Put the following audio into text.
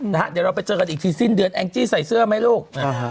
เดี๋ยวเราไปเจอกันอีกทีสิ้นเดือนแองจี้ใส่เสื้อไหมลูก